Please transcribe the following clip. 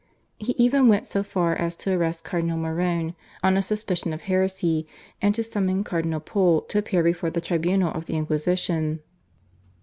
He even went so far as to arrest Cardinal Morone on a suspicion of heresy, and to summon Cardinal Pole to appear before the tribunal of the Inquisition.